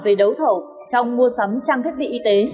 về đấu thầu trong mua sắm trang thiết bị y tế